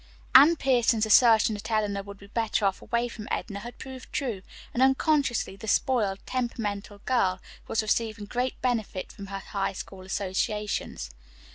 Anne Pierson's assertion that Eleanor would be better off away from Edna had proved true, and unconsciously the spoiled, temperamental girl was receiving great benefit from her High School associations.